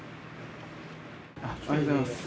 おはようございます。